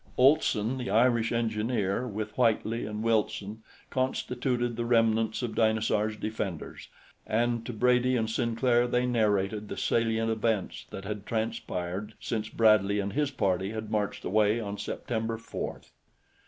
Olson, the Irish engineer, with Whitely and Wilson constituted the remnants of Dinosaur's defenders, and to Brady and Sinclair they narrated the salient events that had transpired since Bradley and his party had marched away on September 4th.